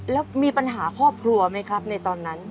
แล้วมีปัญหาครอบครัวไหมครับในตอนนั้น